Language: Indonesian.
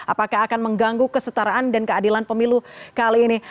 apakah akan mengganggu kesetaraan dan keadilan pemilu kali ini